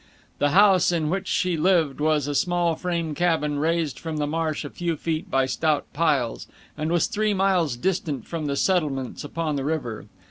The house in which she lived was a small frame cabin raised from the marsh a few feet by stout piles, and was three miles distant from the settlements upon the river.